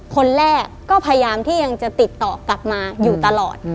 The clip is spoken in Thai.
คนแรกก็พยายามที่ยังจะติดต่อกลับมาอยู่ตลอด